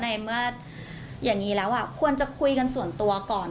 ในเมื่ออย่างนี้แล้วควรจะคุยกันส่วนตัวก่อน